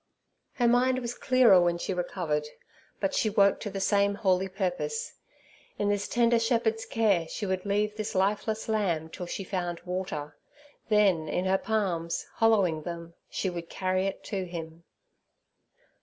Her mind was clearer when she recovered, but she woke to the same holy purpose. In this tender Shepherd's care she would leave this lifeless lamb till she found water; then in her palms, hollowing them, she would carry it to Him.